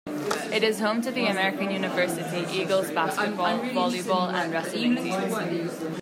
It is home to the American University Eagles basketball, volleyball and wrestling teams.